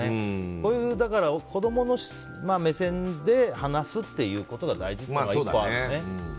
こういう子供の目線で話すっていうことが大事っていうのがあるね。